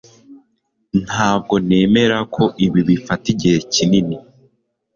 Ntabwo nemera ko ibi bifata igihe kinini